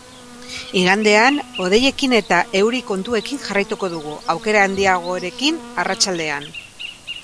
Igandean, hodeiekin eta euri kontuekin jarraituko dugu, aukera handiagorekin arratsaldean.